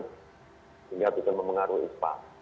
sehingga juga mempengaruhi uspa